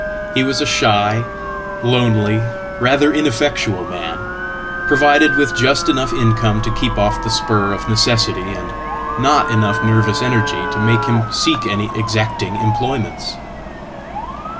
He was a shy, lonely, rather ineffectual man, provided withjust enough income to keep off the spur of necessity, and not enoughnervous energy to make him seek any exacting employments.